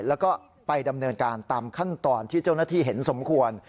แล้วก็ไปดำเนินการตามขั้นตอนที่เจ้าหน้าที่เห็นสมควร